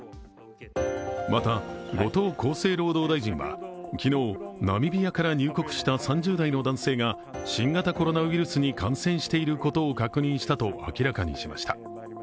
また後藤厚生労働大臣は昨日、ナミビアから入国した３０代の男性が新型コロナウイルスに感染していることを確認したと明らかにしました。